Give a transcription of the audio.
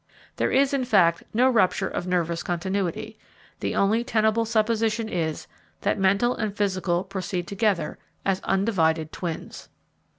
There is, in fact, no rupture of nervous continuity. The only tenable supposition is, that mental and physical proceed together, as undivided twins."